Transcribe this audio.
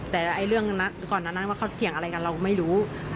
แต่เรื่องก่อนนั้นว่าเขาเถียงอะไรกันเราไม่รู้